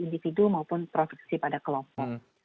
individu maupun provisi pada kelompok